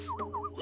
あ！